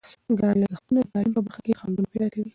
ګران لګښتونه د تعلیم په برخه کې خنډونه پیدا کوي.